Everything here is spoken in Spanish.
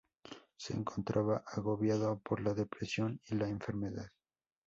Se encontraba agobiado por la depresión y la enfermedad.